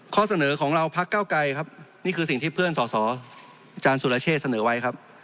ข้อเสนอของเราพักเก้าไกรครับนี่คือสิ่งที่เพื่อนสอสออาจารย์สุรเชษฐเสนอไว้ครับ